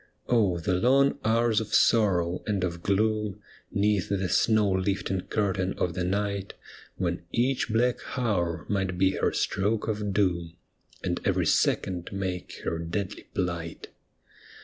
Oh, the long hours of sorrow and of gloom 'Neath the snow lifting curtain of the night. When each black hour might be her stroke of doom. And every second make her deadly phght